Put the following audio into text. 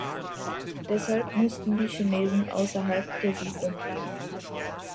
Deshalb mussten die Chinesen außerhalb der Siedlung leben.